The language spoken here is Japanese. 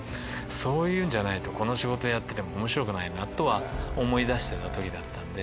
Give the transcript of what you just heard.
そういうんじゃないとこの仕事やってても面白くないなとは思いだしてた時だったんで。